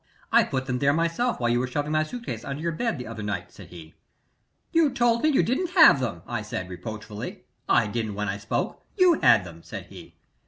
"I put them there myself while you were shoving my suit case under your bed the other night," said he. "You told me you didn't have them," I said, reproachfully. "I didn't when I spoke you had them," said he.